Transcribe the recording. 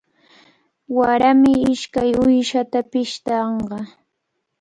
Warami ishkay uyshata pishtanqa.